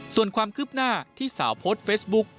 ส่วนความคืบหน้าที่สาวโพสต์เฟซบุ๊ก